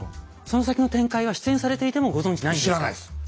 その先の展開は出演されていてもご存じないんですか？